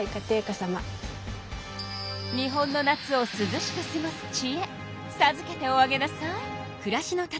日本の夏をすずしくすごすちえさずけておあげなさい。